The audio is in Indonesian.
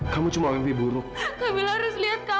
kamu cuma mimpi buruk